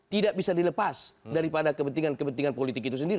tidak bisa dilepas daripada kepentingan kepentingan politik itu sendiri